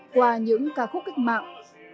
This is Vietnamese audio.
qua những ca khúc kích mạng